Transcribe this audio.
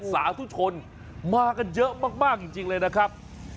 สาธุชนมากันเยอะมากจริงเลยนะครับ